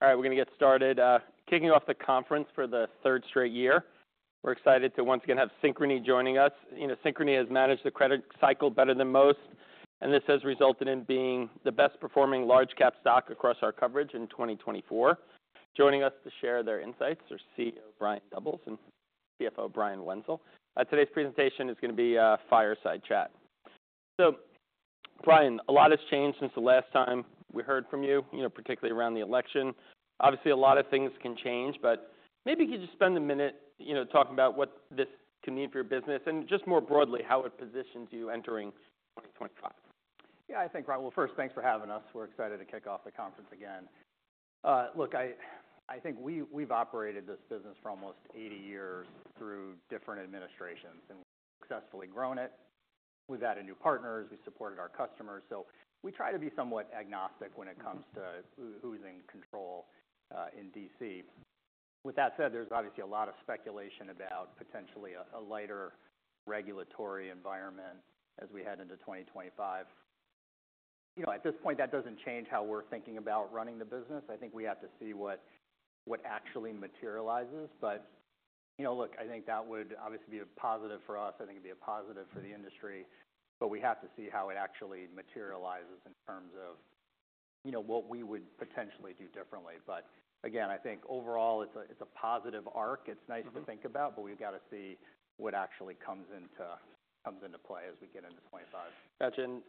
All right, we're gonna get started, kicking off the conference for the third straight year. We're excited to once again have Synchrony joining us. You know, Synchrony has managed the credit cycle better than most, and this has resulted in being the best-performing large-cap stock across our coverage in 2024. Joining us to share their insights are CEO Brian Doubles and CFO Brian Wenzel. Today's presentation is gonna be a fireside chat. So, Brian, a lot has changed since the last time we heard from you, you know, particularly around the election. Obviously, a lot of things can change, but maybe could you spend a minute, you know, talking about what this can mean for your business and just more broadly how it positions you entering 2025? Yeah, I think right, well, first, thanks for having us. We're excited to kick off the conference again. Look, I think we've operated this business for almost 80 years through different administrations, and we've successfully grown it. We've added new partners. We've supported our customers. So we try to be somewhat agnostic when it comes to who's in control in DC. With that said, there's obviously a lot of speculation about potentially a lighter regulatory environment as we head into 2025. You know, at this point, that doesn't change how we're thinking about running the business. I think we have to see what actually materializes. But you know, look, I think that would obviously be a positive for us. I think it'd be a positive for the industry, but we have to see how it actually materializes in terms of, you know, what we would potentially do differently. But again, I think overall it's a positive arc. It's nice to think about, but we've gotta see what actually comes into play as we get into 2025. Gotcha.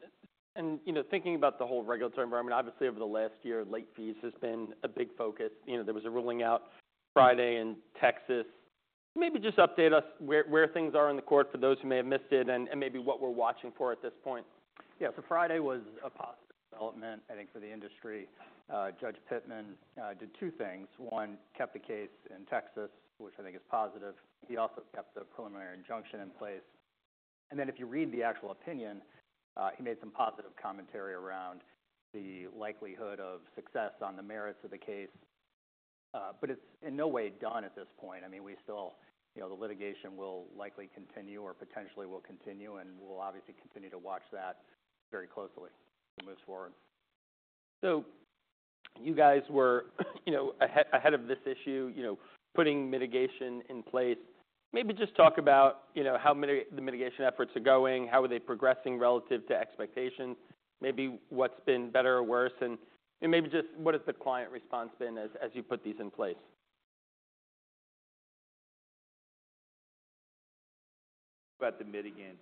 And you know, thinking about the whole regulatory environment, obviously over the last year, late fees has been a big focus. You know, there was a ruling out Friday in Texas. Maybe just update us where things are in the court for those who may have missed it and maybe what we're watching for at this point. Yeah, so Friday was a positive development, I think, for the industry. Judge Pittman did two things. One, kept the case in Texas, which I think is positive. He also kept the preliminary injunction in place. And then if you read the actual opinion, he made some positive commentary around the likelihood of success on the merits of the case. But it's in no way done at this point. I mean, we still, you know, the litigation will likely continue or potentially will continue, and we'll obviously continue to watch that very closely as it moves forward. So you guys were, you know, ahead of this issue, you know, putting mitigation in place. Maybe just talk about, you know, how the mitigation efforts are going, how are they progressing relative to expectations, maybe what's been better or worse, and maybe just what has the client response been as you put these in place? About the mitigants,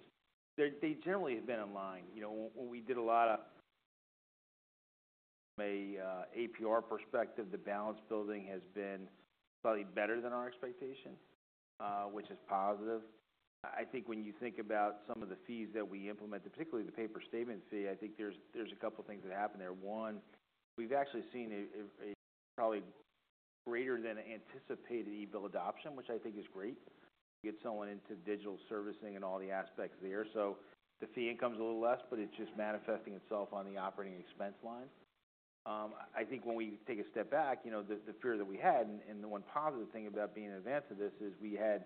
they generally have been in line. You know, when we did a lot of from an APR perspective, the balance building has been slightly better than our expectation, which is positive. I think when you think about some of the fees that we implemented, particularly the paper statement fee, I think there's a couple things that happened there. One, we've actually seen a probably greater than anticipated e-bill adoption, which I think is great. We get someone into digital servicing and all the aspects there. So the fee income's a little less, but it's just manifesting itself on the operating expense line. I think when we take a step back, you know, the fear that we had, and the one positive thing about being advanced to this is we had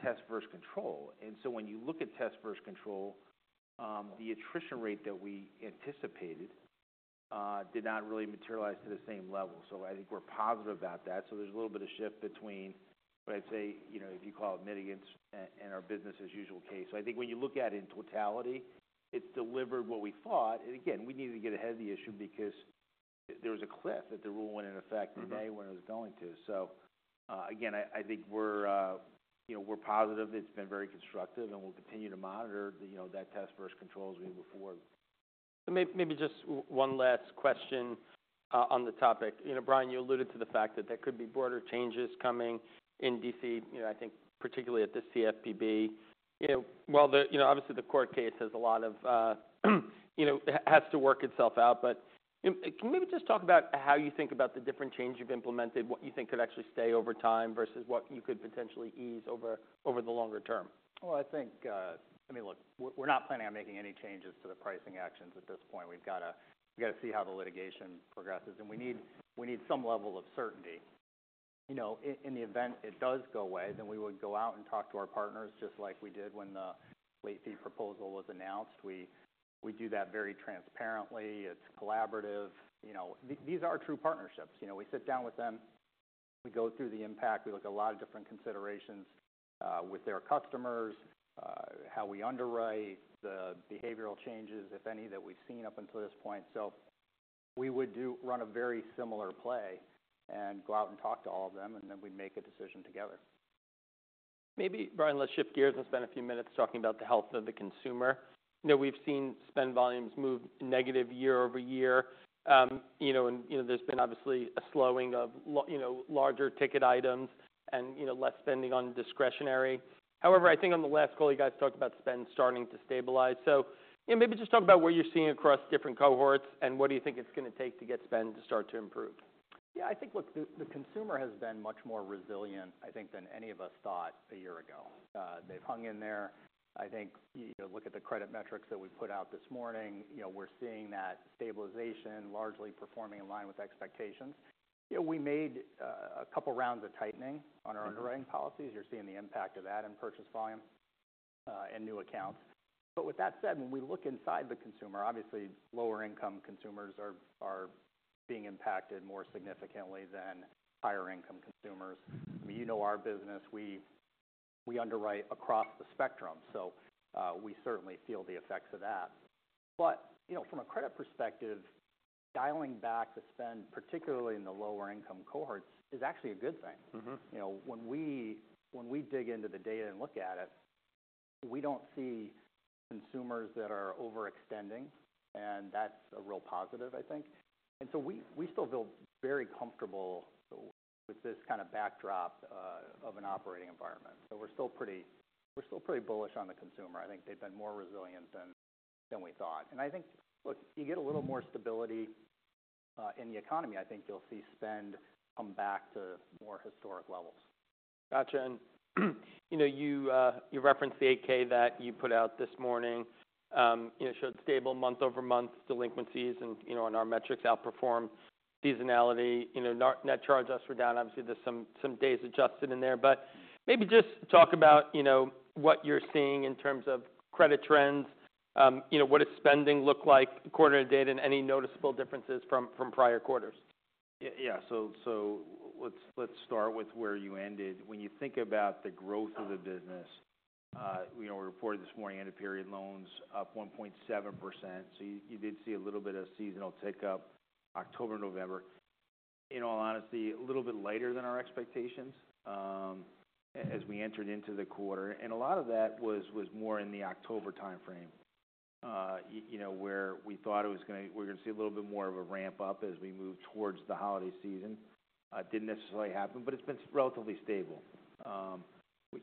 Test vs. Control. And so when you look at Test vs. Control, the attrition rate that we anticipated did not really materialize to the same level. So I think we're positive about that. So there's a little bit of shift between what I'd say, you know, if you call it mitigants and our business-as-usual case. So I think when you look at it in totality, it delivered what we thought. And again, we needed to get ahead of the issue because there was a cliff that the rule went in effect today when it was going to. So, again, I think we're, you know, we're positive. It's been very constructive, and we'll continue to monitor the, you know, that Test vs. Control as we move forward. So maybe just one last question on the topic. You know, Brian, you alluded to the fact that there could be broader changes coming in DC, you know, I think particularly at the CFPB. You know, while the, you know, obviously the court case has a lot of, you know, has to work itself out, but, you know, can maybe just talk about how you think about the different change you've implemented, what you think could actually stay over time versus what you could potentially ease over the longer term? I think, I mean, look, we're not planning on making any changes to the pricing actions at this point. We've gotta see how the litigation progresses, and we need some level of certainty. You know, in the event it does go away, then we would go out and talk to our partners just like we did when the late fee proposal was announced. We do that very transparently. It's collaborative. You know, these are true partnerships. You know, we sit down with them. We go through the impact. We look at a lot of different considerations with their customers, how we underwrite the behavioral changes, if any, that we've seen up until this point. So we would run a very similar play and go out and talk to all of them, and then we'd make a decision together. Maybe, Brian, let's shift gears and spend a few minutes talking about the health of the consumer. You know, we've seen spend volumes move negative year over year. You know, and, you know, there's been obviously a slowing of, you know, larger ticket items and, you know, less spending on discretionary. However, I think on the last call, you guys talked about spend starting to stabilize. So, you know, maybe just talk about what you're seeing across different cohorts and what do you think it's gonna take to get spend to start to improve? Yeah, I think, look, the consumer has been much more resilient, I think, than any of us thought a year ago. They've hung in there. I think, you know, look at the credit metrics that we put out this morning. You know, we're seeing that stabilization largely performing in line with expectations. You know, we made a couple rounds of tightening on our underwriting policies. You're seeing the impact of that in purchase volume and new accounts. But with that said, when we look inside the consumer, obviously lower-income consumers are being impacted more significantly than higher-income consumers. I mean, you know our business. We underwrite across the spectrum. So we certainly feel the effects of that. But you know, from a credit perspective, dialing back the spend, particularly in the lower-income cohorts, is actually a good thing. Mm-hmm. You know, when we dig into the data and look at it, we don't see consumers that are overextending, and that's a real positive, I think. So we still feel very comfortable with this kinda backdrop of an operating environment. We're still pretty bullish on the consumer. I think they've been more resilient than we thought. And I think, look, you get a little more stability in the economy. I think you'll see spend come back to more historic levels. Gotcha. And, you know, you referenced the 8-K that you put out this morning, you know, showed stable month-over-month delinquencies and, you know, on our metrics outperformed seasonality. You know, net charge-offs were down. Obviously, there's some days adjusted in there. But maybe just talk about, you know, what you're seeing in terms of credit trends. You know, what does spending look like quarter to date and any noticeable differences from prior quarters? Yeah, yeah. So let's start with where you ended. When you think about the growth of the business, you know, we reported this morning end-of-period loans up 1.7%. So you did see a little bit of seasonal tick up October, November. In all honesty, a little bit lighter than our expectations, as we entered into the quarter. A lot of that was more in the October timeframe, you know, where we thought it was gonna we were gonna see a little bit more of a ramp up as we move towards the holiday season. It didn't necessarily happen, but it's been relatively stable.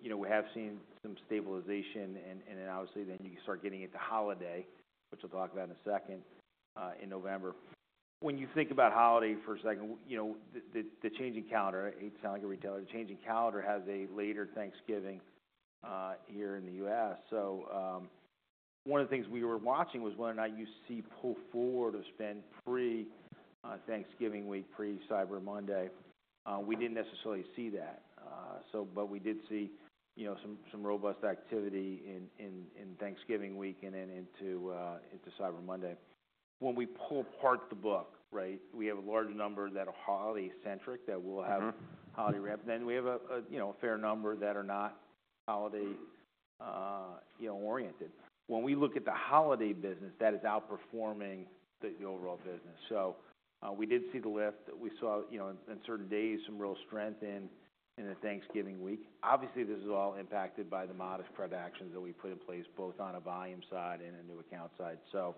You know, we have seen some stabilization, and then obviously you start getting into holiday, which I'll talk about in a second, in November. When you think about holidays for a second, you know, the change in calendar, it sounds like a retailer, the change in calendar has a later Thanksgiving, here in the U.S. So, one of the things we were watching was whether or not you see pull forward of spend pre-Thanksgiving week, pre-Cyber Monday. We didn't necessarily see that. So but we did see, you know, some robust activity in Thanksgiving week and then into Cyber Monday. When we pull apart the book, right, we have a large number that are holiday-centric that will have holiday ramp. Then we have, you know, a fair number that are not holiday, you know, oriented. When we look at the holiday business, that is outperforming the overall business. So, we did see the lift. We saw, you know, in certain days some real strength in the Thanksgiving week. Obviously, this is all impacted by the modest credit actions that we put in place both on a volume side and a new account side. So,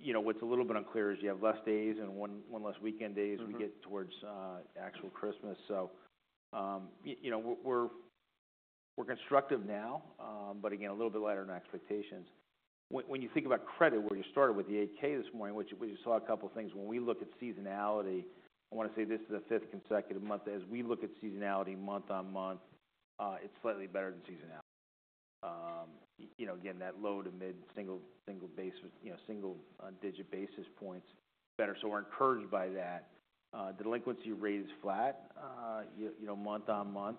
you know, what's a little bit unclear is you have less days and one less weekend days we get towards actual Christmas. So, you know, we're constructive now, but again, a little bit lighter than expectations. When you think about credit, where you started with the 8-K this morning, which you saw a couple things, when we look at seasonality, I wanna say this is the fifth consecutive month. As we look at seasonality month on month, it's slightly better than seasonality. You know, again, that low-to-mid-single-digit basis points better. So we're encouraged by that. Delinquency rate is flat, you know, month on month,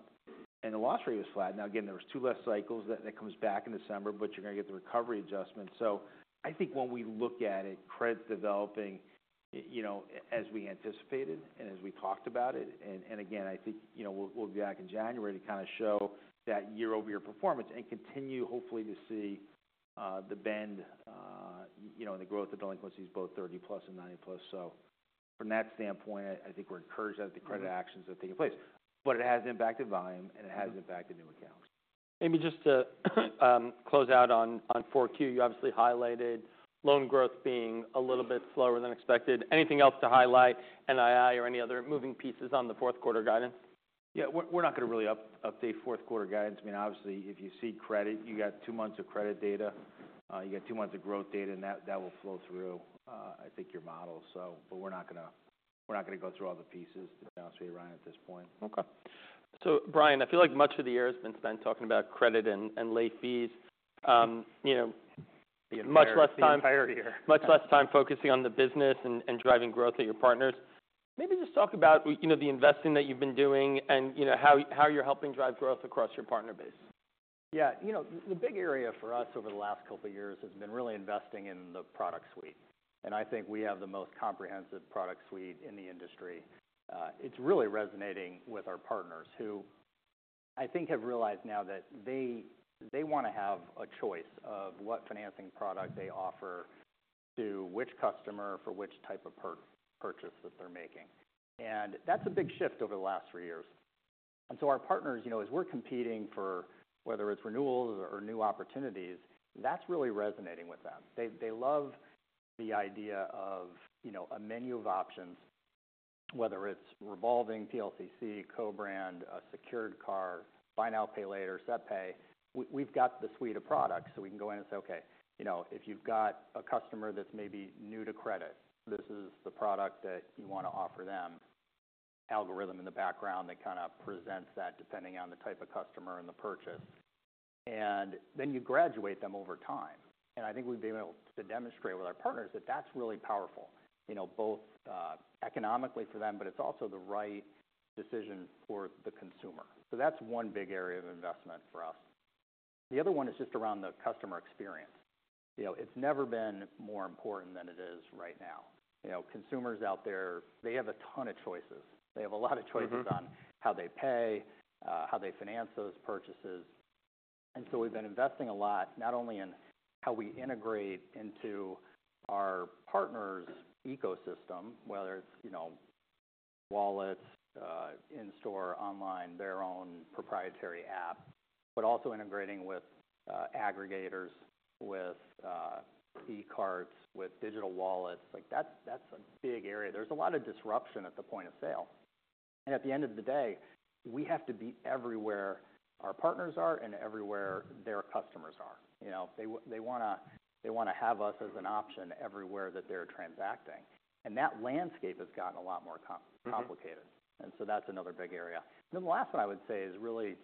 and the loss rate was flat. Now, again, there was two less cycles. That comes back in December, but you're gonna get the recovery adjustment. So I think when we look at it, credit's developing, you know, as we anticipated and as we talked about it. And again, I think, you know, we'll be back in January to kinda show that year-over-year performance and continue hopefully to see the bend, you know, in the growth of delinquencies, both 30-plus and 90-plus. So from that standpoint, I think we're encouraged as the credit actions are taking place, but it has impacted volume and it has impacted new accounts. Maybe just to close out on 4Q, you obviously highlighted loan growth being a little bit slower than expected. Anything else to highlight, NII or any other moving pieces on the fourth quarter guidance? Yeah, we're not gonna really update fourth quarter guidance. I mean, obviously, if you see credit, you got two months of credit data, you got two months of growth data, and that will flow through, I think, your model. So but we're not gonna go through all the pieces, to be honest with you, Brian, at this point. Okay. So, Brian, I feel like much of the year has been spent talking about credit and late fees. You know, much less time. Yeah, the entire year. Much less time focusing on the business and driving growth at your partners. Maybe just talk about, you know, the investing that you've been doing and, you know, how you're helping drive growth across your partner base. Yeah, you know, the big area for us over the last couple years has been really investing in the product suite. And I think we have the most comprehensive product suite in the industry. It's really resonating with our partners who I think have realized now that they wanna have a choice of what financing product they offer to which customer for which type of purchase that they're making. And that's a big shift over the last three years. And so our partners, you know, as we're competing for whether it's renewals or new opportunities, that's really resonating with them. They love the idea of, you know, a menu of options, whether it's revolving PLCC, co-brand, a secured card, buy now, pay later, SetPay. We've got the suite of products, so we can go in and say, "Okay, you know, if you've got a customer that's maybe new to credit, this is the product that you wanna offer them." Algorithm in the background that kinda presents that depending on the type of customer and the purchase. And then you graduate them over time. And I think we've been able to demonstrate with our partners that that's really powerful, you know, both economically for them, but it's also the right decision for the consumer. So that's one big area of investment for us. The other one is just around the customer experience. You know, it's never been more important than it is right now. You know, consumers out there, they have a ton of choices. They have a lot of choices. Mm-hmm. On how they pay, how they finance those purchases, and so we've been investing a lot not only in how we integrate into our partner's ecosystem, whether it's, you know, wallets, in-store, online, their own proprietary app, but also integrating with aggregators, with e-carts, with digital wallets. Like, that's a big area. There's a lot of disruption at the point of sale, and at the end of the day, we have to be everywhere our partners are and everywhere their customers are. You know, they wanna have us as an option everywhere that they're transacting, and that landscape has gotten a lot more complicated. Mm-hmm. And so that's another big area. And then the last one I would say is really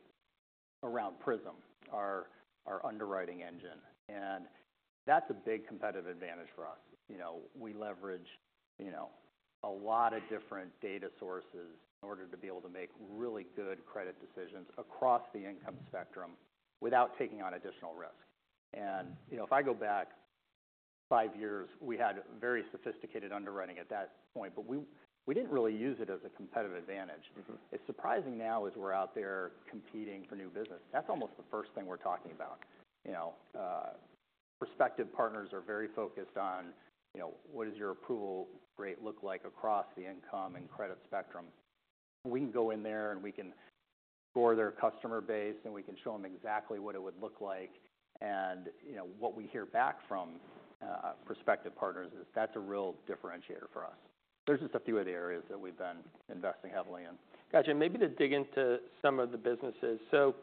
around PRISM, our underwriting engine. And that's a big competitive advantage for us. You know, we leverage, you know, a lot of different data sources in order to be able to make really good credit decisions across the income spectrum without taking on additional risk. And, you know, if I go back five years, we had very sophisticated underwriting at that point, but we didn't really use it as a competitive advantage. Mm-hmm. It's surprising now as we're out there competing for new business. That's almost the first thing we're talking about. You know, prospective partners are very focused on, you know, what does your approval rate look like across the income and credit spectrum? We can go in there and we can score their customer base, and we can show them exactly what it would look like, and, you know, what we hear back from prospective partners is that's a real differentiator for us. There's just a few of the areas that we've been investing heavily in. Gotcha. And maybe to dig into some of the businesses, so,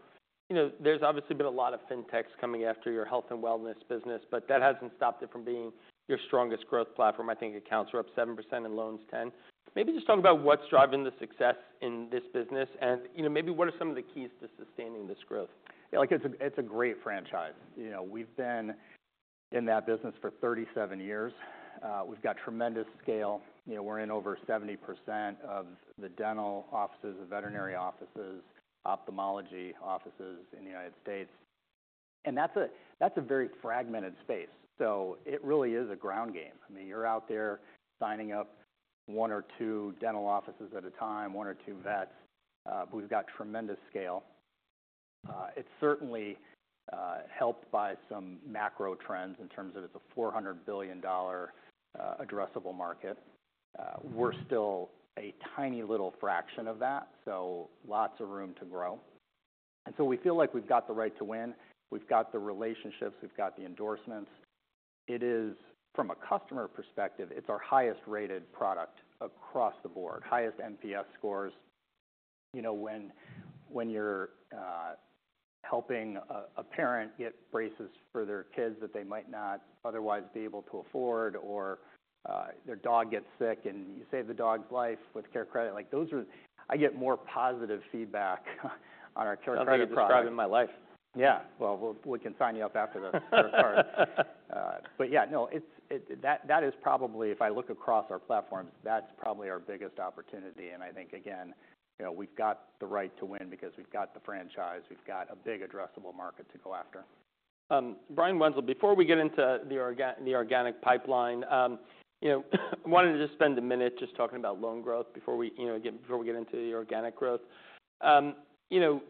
you know, there's obviously been a lot of fintechs coming after your health and wellness business, but that hasn't stopped it from being your strongest growth platform. I think accounts are up 7% and loans 10%. Maybe just talk about what's driving the success in this business and, you know, maybe what are some of the keys to sustaining this growth? Yeah, like, it's a great franchise. You know, we've been in that business for 37 years. We've got tremendous scale. You know, we're in over 70% of the dental offices, the veterinary offices, ophthalmology offices in the United States, and that's a very fragmented space, so it really is a ground game. I mean, you're out there signing up one or two dental offices at a time, one or two vets, but we've got tremendous scale. It's certainly helped by some macro trends in terms of it's a $400 billion addressable market. We're still a tiny little fraction of that, so lots of room to grow, and so we feel like we've got the right to win. We've got the relationships. We've got the endorsements. It is from a customer perspective; it's our highest-rated product across the board, highest NPS scores. You know, when you're helping a parent get braces for their kids that they might not otherwise be able to afford or their dog gets sick and you save the dog's life with CareCredit, like, those are. I get more positive feedback on our CareCredit product. I'm already describing my life. Yeah. Well, we'll, we can sign you up after the CareCredit. But yeah, no, it's it that, that is probably if I look across our platforms, that's probably our biggest opportunity. And I think, again, you know, we've got the right to win because we've got the franchise. We've got a big addressable market to go after. Brian Wenzel, before we get into the organic pipeline, you know, I wanted to just spend a minute just talking about loan growth before we, you know, again, before we get into the organic growth. You know,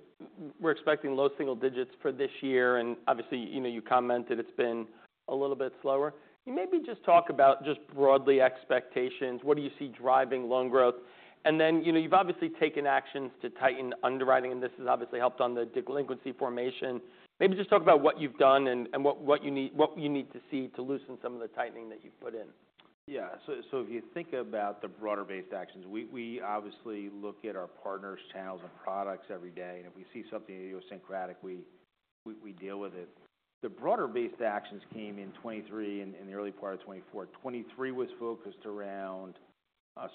we're expecting low single digits for this year. And obviously, you know, you commented it's been a little bit slower. You maybe just talk about just broadly expectations. What do you see driving loan growth? And then, you know, you've obviously taken actions to tighten underwriting, and this has obviously helped on the delinquency formation. Maybe just talk about what you've done and what you need to see to loosen some of the tightening that you've put in. Yeah. So if you think about the broader-based actions, we obviously look at our partners' channels and products every day. And if we see something idiosyncratic, we deal with it. The broader-based actions came in 2023 and in the early part of 2024. 2023 was focused around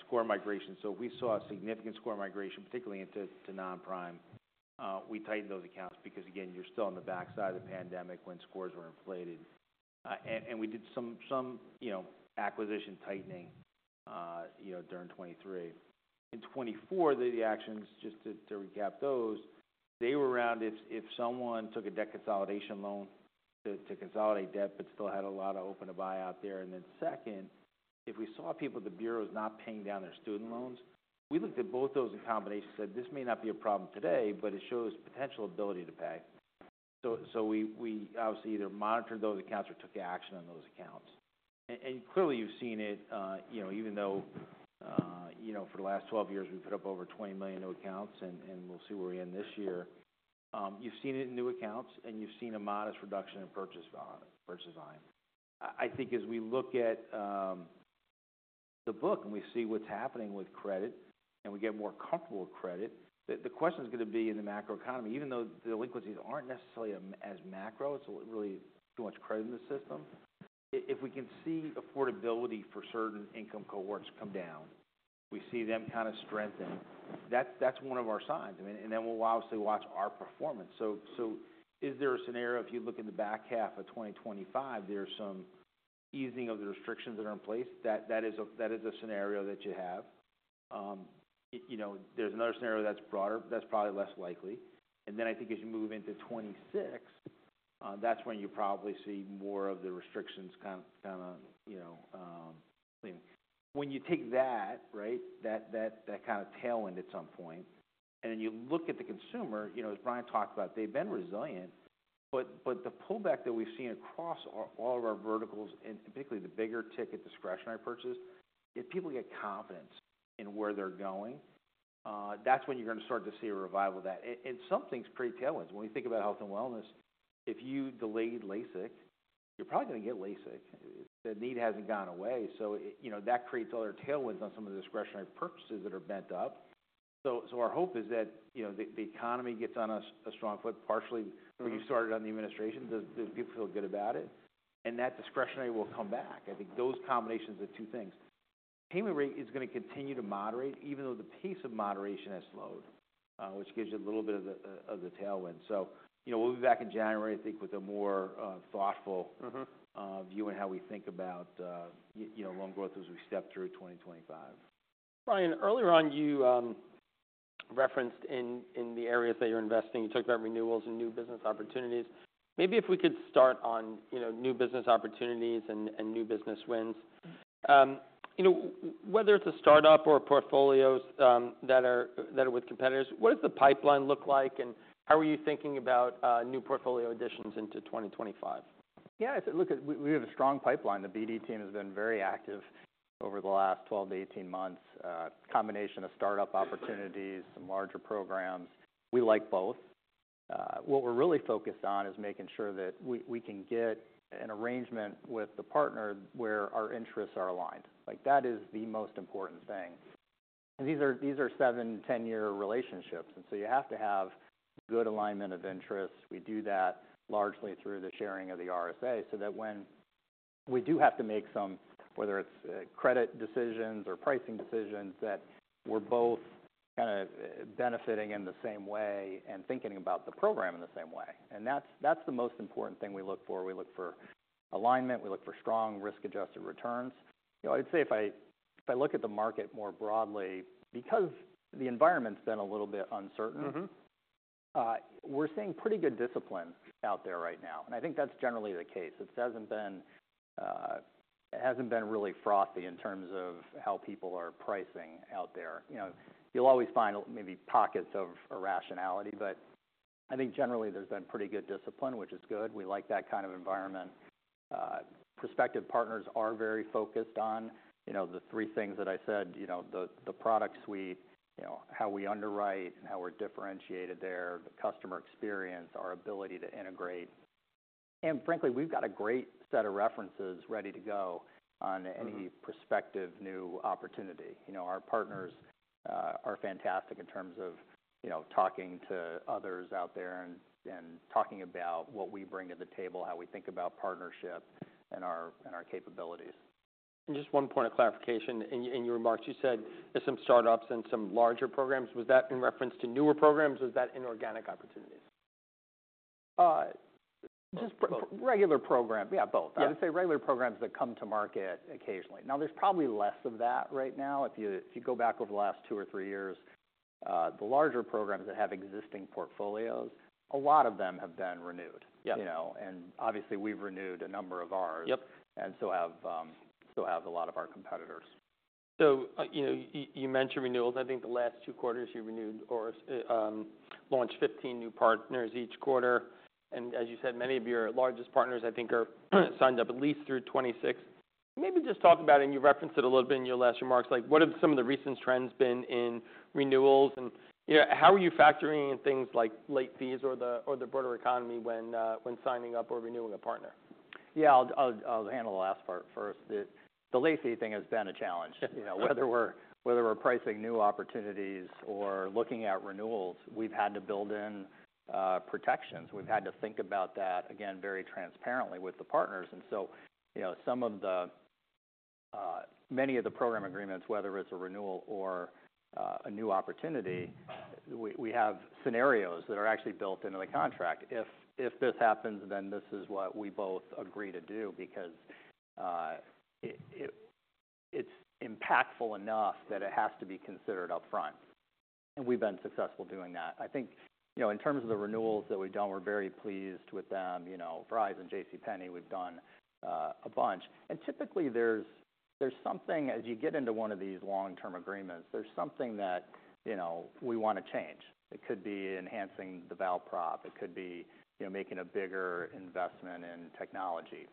score migration. So we saw a significant score migration, particularly into non-prime. We tightened those accounts because, again, you're still on the backside of the pandemic when scores were inflated. And we did some, you know, acquisition tightening, you know, during 2023. In 2024, the actions, just to recap those, they were around if someone took a debt consolidation loan to consolidate debt but still had a lot of open-to-buy out there. And then second, if we saw people, the bureaus not paying down their student loans, we looked at both those in combination, said, "This may not be a problem today, but it shows potential ability to pay." So we obviously either monitored those accounts or took action on those accounts. And clearly you've seen it, you know, even though, you know, for the last 12 years we put up over 20 million new accounts and we'll see where we end this year. You've seen it in new accounts, and you've seen a modest reduction in purchase volume. I think as we look at the book and we see what's happening with credit and we get more comfortable with credit, the question's gonna be in the macroeconomy, even though delinquencies aren't necessarily as macro, it's really too much credit in the system. If we can see affordability for certain income cohorts come down, we see them kinda strengthen, that's one of our signs. I mean, and then we'll obviously watch our performance. So is there a scenario if you look in the back half of 2025, there's some easing of the restrictions that are in place? That is a scenario that you have. You know, there's another scenario that's broader, that's probably less likely. Then I think as you move into 2026, that's when you probably see more of the restrictions kinda, you know, leaving. When you take that, right, that kinda tail end at some point, and then you look at the consumer, you know, as Brian talked about, they've been resilient. But the pullback that we've seen across all of our verticals and particularly the bigger ticket discretionary purchases, if people get confidence in where they're going, that's when you're gonna start to see a revival of that. And something's creating tailwinds. When we think about health and wellness, if you delayed LASIK, you're probably gonna get LASIK. The need hasn't gone away. So, you know, that creates other tailwinds on some of the discretionary purchases that are pent-up. So our hope is that, you know, the economy gets on a strong foot, partially. Mm-hmm. When you started on the administration, does people feel good about it? And that discretionary will come back. I think those combinations of two things. Payment rate is gonna continue to moderate even though the pace of moderation has slowed, which gives you a little bit of the tailwind. So, you know, we'll be back in January, I think, with a more thoughtful. Mm-hmm. view on how we think about, you know, loan growth as we step through 2025. Brian, earlier on you referenced in the areas that you're investing. You talked about renewals and new business opportunities. Maybe if we could start on, you know, new business opportunities and new business wins. You know, whether it's a startup or portfolios that are with competitors, what does the pipeline look like and how are you thinking about new portfolio additions into 2025? Yeah, it's a look at we have a strong pipeline. The BD team has been very active over the last 12-18 months, combination of startup opportunities, some larger programs. We like both. What we're really focused on is making sure that we can get an arrangement with the partner where our interests are aligned. Like, that is the most important thing. And these are seven, 10-year relationships. And so you have to have good alignment of interests. We do that largely through the sharing of the RSA so that when we do have to make some, whether it's, credit decisions or pricing decisions, that we're both kinda, benefiting in the same way and thinking about the program in the same way. And that's the most important thing we look for. We look for alignment. We look for strong risk-adjusted returns. You know, I'd say if I look at the market more broadly, because the environment's been a little bit uncertain. Mm-hmm. We're seeing pretty good discipline out there right now. And I think that's generally the case. It hasn't been really frothy in terms of how people are pricing out there. You know, you'll always find maybe pockets of rationality, but I think generally there's been pretty good discipline, which is good. We like that kind of environment. Prospective partners are very focused on, you know, the three things that I said, you know, the product suite, you know, how we underwrite and how we're differentiated there, the customer experience, our ability to integrate. And frankly, we've got a great set of references ready to go on any prospective new opportunity. You know, our partners are fantastic in terms of, you know, talking to others out there and talking about what we bring to the table, how we think about partnership and our capabilities. Just one point of clarification. In your remarks, you said there's some startups and some larger programs. Was that in reference to newer programs or is that inorganic opportunities? Just pro. Pro. Regular program. Yeah, both. Yeah. I'd say regular programs that come to market occasionally. Now, there's probably less of that right now. If you go back over the last two or three years, the larger programs that have existing portfolios, a lot of them have been renewed. Yeah. You know, and obviously we've renewed a number of ours. Yep. And so still have a lot of our competitors. You know, you mentioned renewals. I think the last two quarters you renewed or launched 15 new partners each quarter. And as you said, many of your largest partners, I think, are signed up at least through 2026. Maybe just talk about it, and you referenced it a little bit in your last remarks, like, what have some of the recent trends been in renewals? And, you know, how are you factoring in things like late fees or the broader economy when signing up or renewing a partner? Yeah, I'll handle the last part first. The late fee thing has been a challenge. Yeah. You know, whether we're pricing new opportunities or looking at renewals, we've had to build in protections. We've had to think about that, again, very transparently with the partners. And so, you know, some of the many of the program agreements, whether it's a renewal or a new opportunity, we have scenarios that are actually built into the contract. If this happens, then this is what we both agree to do because it's impactful enough that it has to be considered upfront. And we've been successful doing that. I think, you know, in terms of the renewals that we've done, we're very pleased with them. You know, Verizon and JCPenney, we've done a bunch. And typically there's something as you get into one of these long-term agreements, there's something that, you know, we wanna change. It could be enhancing the value prop. It could be, you know, making a bigger investment in technology.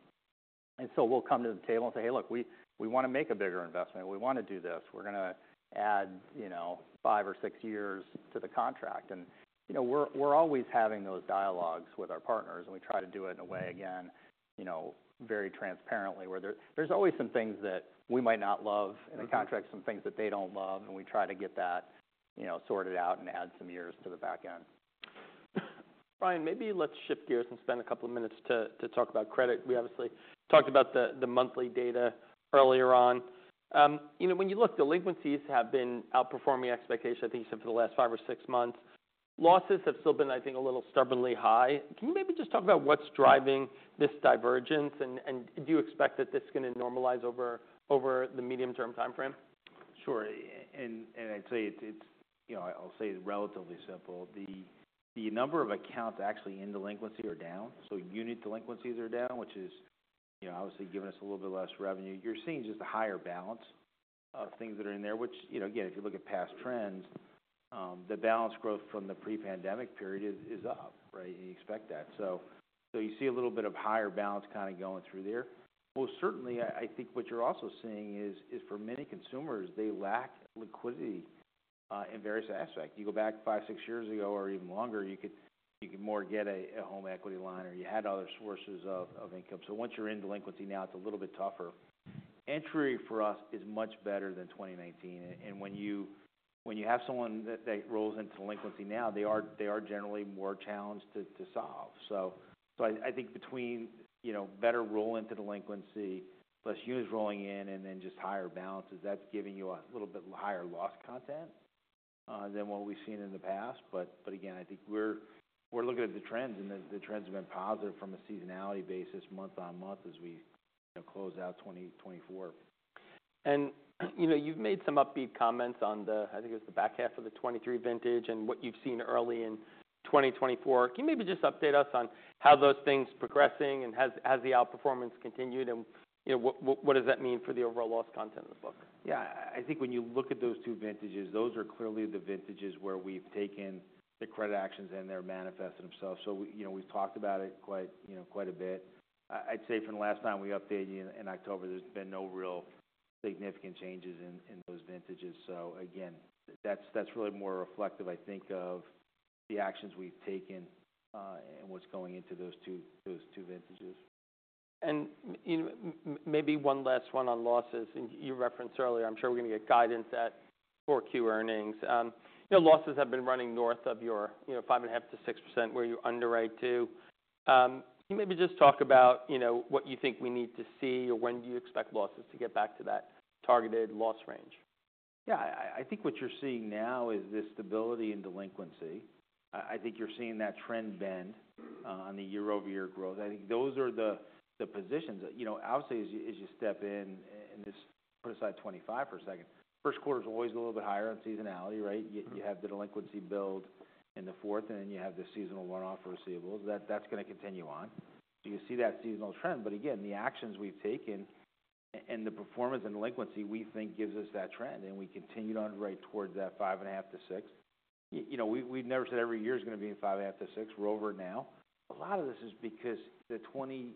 And so we'll come to the table and say, "Hey, look, we wanna make a bigger investment. We wanna do this. We're gonna add, you know, five or six years to the contract." And, you know, we're always having those dialogues with our partners, and we try to do it in a way, again, you know, very transparently where there's always some things that we might not love in the contract. Mm-hmm. Some things that they don't love. And we try to get that, you know, sorted out and add some years to the back end. Brian, maybe let's shift gears and spend a couple of minutes to talk about credit. We obviously talked about the monthly data earlier on. You know, when you look, delinquencies have been outperforming expectations, I think you said, for the last five or six months. Losses have still been, I think, a little stubbornly high. Can you maybe just talk about what's driving this divergence? And do you expect that this is gonna normalize over the medium-term timeframe? Sure. And I'd say it's, you know, I'll say it's relatively simple. The number of accounts actually in delinquency are down. So unit delinquencies are down, which is, you know, obviously giving us a little bit less revenue. You're seeing just a higher balance of things that are in there, which, you know, again, if you look at past trends, the balance growth from the pre-pandemic period is up, right? And you expect that. So you see a little bit of higher balance kinda going through there. Well, certainly, I think what you're also seeing is for many consumers, they lack liquidity, in various aspects. You go back five, six years ago or even longer, you could more get a home equity line or you had other sources of income. So once you're in delinquency now, it's a little bit tougher. Entry for us is much better than 2019. And when you have someone that rolls into delinquency now, they are generally more challenged to solve. So I think between, you know, better roll into delinquency, less units rolling in, and then just higher balances, that's giving you a little bit higher loss content than what we've seen in the past. But again, I think we're looking at the trends, and the trends have been positive from a seasonality basis month on month as we, you know, close out 2024. You know, you've made some upbeat comments on the, I think it was the back half of the 2023 vintage and what you've seen early in 2024. Can you maybe just update us on how those things progressing and has the outperformance continued? You know, what does that mean for the overall loss content in the book? Yeah, I think when you look at those two vintages, those are clearly the vintages where we've taken the credit actions and they're manifesting themselves. So we, you know, we've talked about it quite a bit. I'd say from the last time we updated you in October, there's been no real significant changes in those vintages. So again, that's really more reflective, I think, of the actions we've taken, and what's going into those two vintages. You know, maybe one last one on losses. You referenced earlier. I'm sure we're gonna get guidance at 4Q earnings. You know, losses have been running north of your 5.5%-6% where you're underwrite to. Can you maybe just talk about what you think we need to see or when do you expect losses to get back to that targeted loss range? Yeah, I think what you're seeing now is this stability in delinquency. I think you're seeing that trend bend, on the year-over-year growth. I think those are the, the positions. You know, obviously as you step in and just put aside 2025 for a second, first quarter's always a little bit higher in seasonality, right? Mm-hmm. You have the delinquency build in the fourth, and then you have the seasonal runoff for receivables. That's gonna continue on, so you see that seasonal trend. But again, the actions we've taken and the performance and delinquency we think gives us that trend. We continued to underwrite towards that 5.5%-6%. You know, we've never said every year's gonna be 5.5%-6%. We're over it now. A lot of this is because the 2020,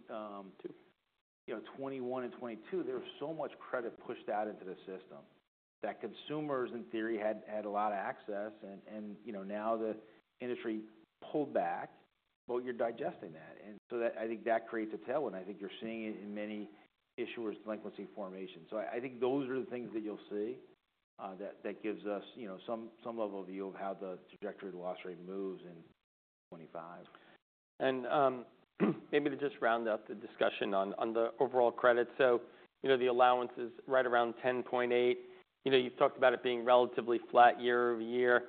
you know, 2021 and 2022, there was so much credit pushed out into the system that consumers, in theory, had a lot of access. You know, now the industry pulled back, but you're digesting that. So that I think creates a tailwind. I think you're seeing it in many issuers' delinquency formation. I think those are the things that you'll see that gives us, you know, some level of view of how the trajectory of the loss rate moves in 2025. Maybe to just round up the discussion on, on the overall credit. So, you know, the allowances right around 10.8. You know, you've talked about it being relatively flat year over year.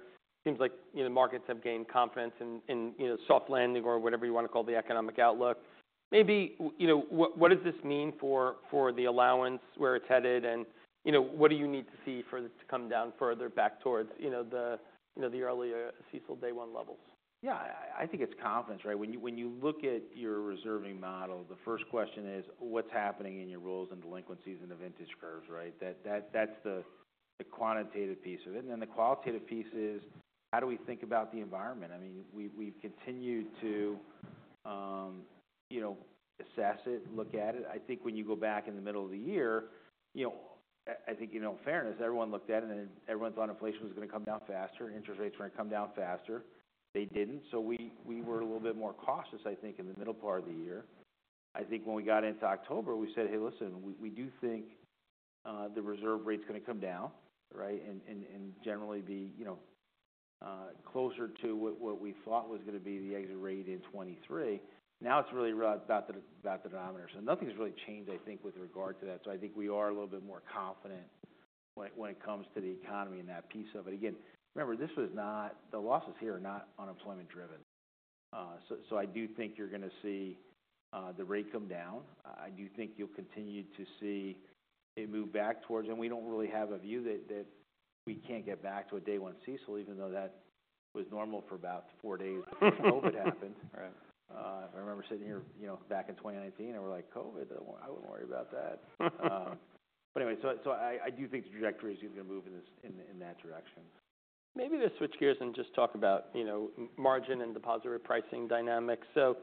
Seems like, you know, markets have gained confidence in, in, you know, soft landing or whatever you wanna call the economic outlook. Maybe, you know, what, what does this mean for, for the allowance, where it's headed? And, you know, what do you need to see for it to come down further back towards, you know, the, you know, the earlier, CECL Day One levels? Yeah, I think it's confidence, right? When you look at your reserving model, the first question is, what's happening in your rolls and delinquencies and the vintage curves, right? That's the quantitative piece of it. And then the qualitative piece is, how do we think about the environment? I mean, we've continued to, you know, assess it, look at it. I think when you go back in the middle of the year, you know, I think in all fairness, everyone looked at it, and everyone thought inflation was gonna come down faster. Interest rates were gonna come down faster. They didn't. So we were a little bit more cautious, I think, in the middle part of the year. I think when we got into October, we said, "Hey, listen, we do think the reserve rate's gonna come down," right? Generally be, you know, closer to what we thought was gonna be the exit rate in 2023. Now it's really right about the denominator. Nothing's really changed, I think, with regard to that. I think we are a little bit more confident when it comes to the economy and that piece of it. Again, remember, this was not. The losses here are not unemployment-driven, so I do think you're gonna see the rate come down. I do think you'll continue to see it move back towards, and we don't really have a view that we can't get back to a Day One CECL, even though that was normal for about four days before COVID happened. Right. I remember sitting here, you know, back in 2019, and we're like, "COVID? I wouldn't worry about that," but anyway, so I do think the trajectory is gonna move in this, in that direction. Maybe let's switch gears and just talk about, you know, margin and deposit pricing dynamics. So,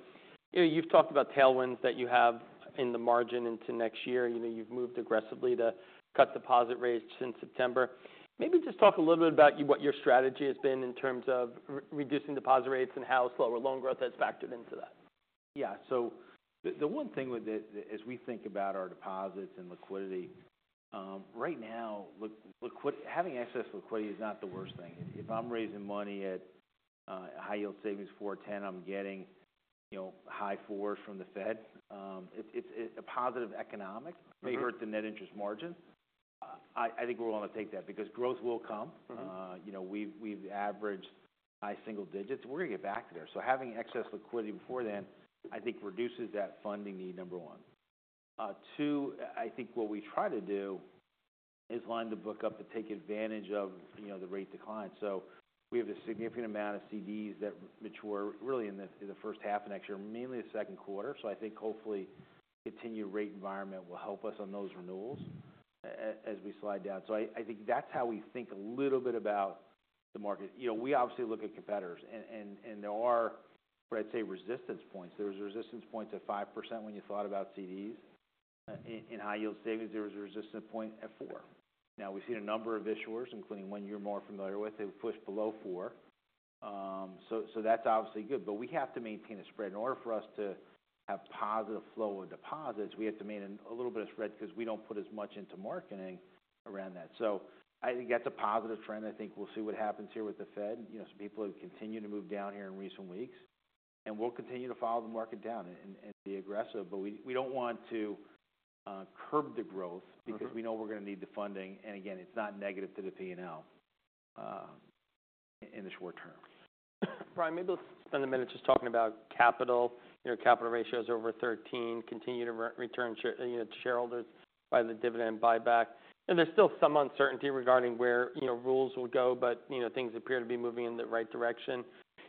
you know, you've talked about tailwinds that you have in the margin into next year. You know, you've moved aggressively to cut deposit rates since September. Maybe just talk a little bit about what your strategy has been in terms of reducing deposit rates and how slower loan growth has factored into that. Yeah, so the one thing with it, as we think about our deposits and liquidity, right now, having access to liquidity is not the worst thing. If I'm raising money at High Yield Savings 4.10, I'm getting, you know, high fours from the Fed. It's a positive economic. Mm-hmm. may hurt the net interest margin. I think we're willing to take that because growth will come. Mm-hmm. You know, we've averaged high single digits. We're gonna get back to there. So having excess liquidity before then, I think, reduces that funding need, number one. Two, I think what we try to do is line the book up to take advantage of, you know, the rate decline. So we have a significant amount of CDs that mature really in the first half of next year, mainly the second quarter. So I think hopefully continued rate environment will help us on those renewals as we slide down. So I think that's how we think a little bit about the market. You know, we obviously look at competitors. And there are, what I'd say, resistance points. There was a resistance point at 5% when you thought about CDs. In high-yield savings, there was a resistance point at 4%. Now, we've seen a number of issuers, including one you're more familiar with, who pushed below 4%. So that's obviously good. But we have to maintain a spread. In order for us to have positive flow of deposits, we have to maintain a little bit of spread 'cause we don't put as much into marketing around that. So I think that's a positive trend. I think we'll see what happens here with the Fed. You know, some people have continued to move down here in recent weeks. And we'll continue to follow the market down and be aggressive. But we don't want to curb the growth because we know we're gonna need the funding. And again, it's not negative to the P&L in the short term. Brian, maybe let's spend a minute just talking about capital. You know, capital ratios over 13%, continued return to shareholders by the dividend buyback. And there's still some uncertainty regarding where, you know, rules will go, but, you know, things appear to be moving in the right direction.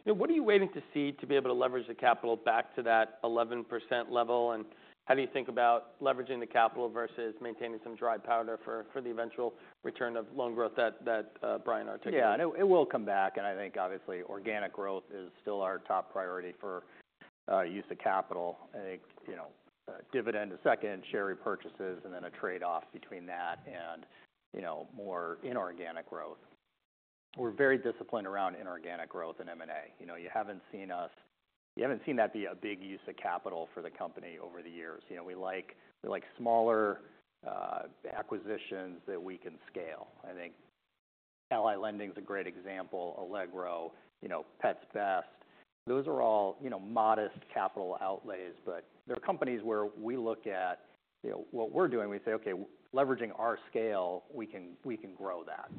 You know, what are you waiting to see to be able to leverage the capital back to that 11% level? And how do you think about leveraging the capital versus maintaining some dry powder for the eventual return of loan growth that Brian articulated? Yeah, it will come back. I think, obviously, organic growth is still our top priority for use of capital. I think, you know, dividend a second, share repurchases, and then a trade-off between that and, you know, more inorganic growth. We're very disciplined around inorganic growth in M&A. You know, you haven't seen that be a big use of capital for the company over the years. You know, we like smaller acquisitions that we can scale. I think Ally Lending's a great example, Allegro, you know, Pets Best. Those are all, you know, modest capital outlays, but they're companies where we look at, you know, what we're doing. We say, "Okay, leveraging our scale, we can grow that."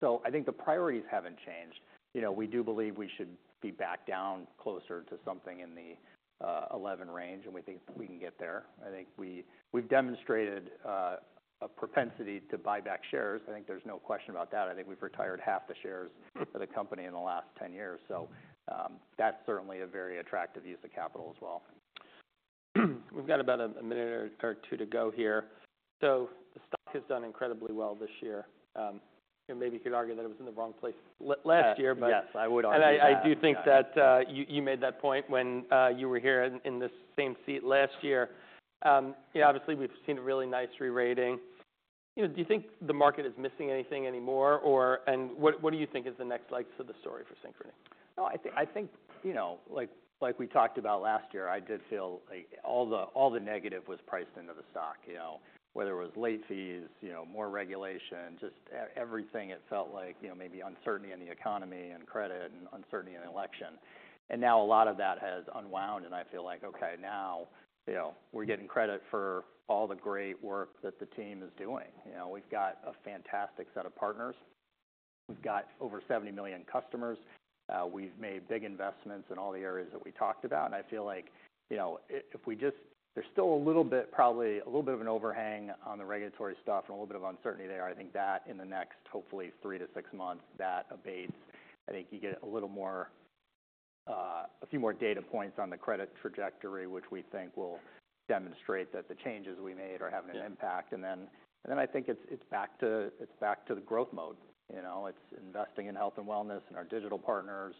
So I think the priorities haven't changed. You know, we do believe we should be back down closer to something in the 11 range, and we think we can get there. I think we've demonstrated a propensity to buy back shares. I think there's no question about that. I think we've retired half the shares of the company in the last 10 years. So, that's certainly a very attractive use of capital as well. We've got about a minute or two to go here, so the stock has done incredibly well this year. You know, maybe you could argue that it was in the wrong place last year, but. Yes, I would argue that. I do think that you made that point when you were here in this same seat last year. You know, obviously, we've seen a really nice re-rating. You know, do you think the market is missing anything anymore, or and what do you think is the next likes of the story for Synchrony? No, I think, you know, like we talked about last year, I did feel like all the negative was priced into the stock, you know, whether it was late fees, you know, more regulation, just everything. It felt like, you know, maybe uncertainty in the economy and credit and uncertainty in election. And now a lot of that has unwound, and I feel like, okay, now, you know, we're getting credit for all the great work that the team is doing. You know, we've got a fantastic set of partners. We've got over 70 million customers. We've made big investments in all the areas that we talked about. And I feel like, you know, if we just, there's still probably a little bit of an overhang on the regulatory stuff and a little bit of uncertainty there. I think that in the next, hopefully, three to six months, that abates. I think you get a little more, a few more data points on the credit trajectory, which we think will demonstrate that the changes we made are having an impact, and then I think it's back to the growth mode. You know, it's investing in health and wellness and our digital partners,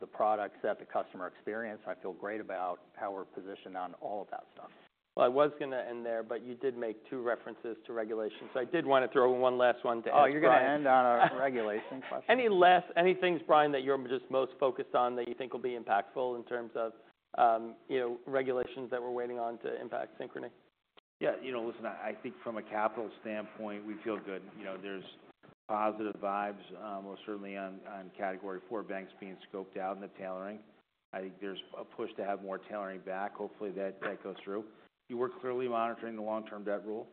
the products, the customer experience. I feel great about how we're positioned on all of that stuff. I was gonna end there, but you did make two references to regulation. So I did wanna throw in one last one to ask you. Oh, you're gonna end on a regulation question? Any last things, Brian, that you're just most focused on that you think will be impactful in terms of, you know, regulations that we're waiting on to impact Synchrony? Yeah, you know, listen, I think from a capital standpoint, we feel good. You know, there's positive vibes, most certainly on Category IV banks being scoped out in the tailoring. I think there's a push to have more tailoring back. Hopefully, that goes through. We're clearly monitoring the long-term debt rule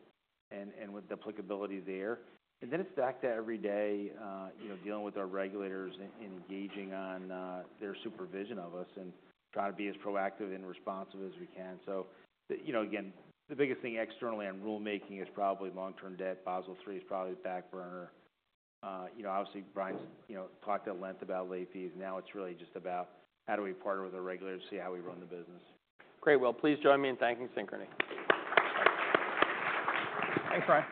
and with the applicability there. And then it's the fact that every day, you know, dealing with our regulators and engaging on their supervision of us and trying to be as proactive and responsive as we can. So you know, again, the biggest thing externally on rulemaking is probably long-term debt. Basel III is probably the back burner. You know, obviously, Brian's talked at length about late fees. Now it's really just about how do we partner with our regulators to see how we run the business. Great. Well, please join me in thanking Synchrony. Thanks, Brian.